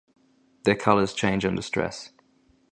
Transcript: Their colors change under stress.